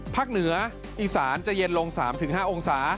ภาคเหนืออีสานจะเย็นลง๓๕องศาเซลเซียส